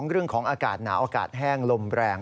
เรื่องของอากาศหนาวอากาศแห้งลมแรง